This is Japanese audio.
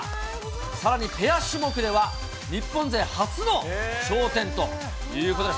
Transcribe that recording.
さらにペア種目では、日本勢初の頂点ということです。